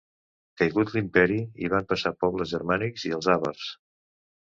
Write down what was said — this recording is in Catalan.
Caigut l'imperi hi van passar pobles germànics i els àvars.